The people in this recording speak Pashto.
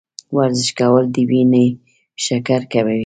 ورزش کول د وینې شکر کموي.